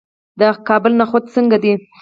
د کابل نخود څنګه دي؟